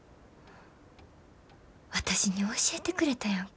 私に教えてくれたやんか。